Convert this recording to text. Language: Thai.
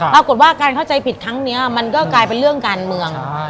ปรากฏว่าการเข้าใจผิดครั้งนี้มันก็กลายเป็นเรื่องการเมือง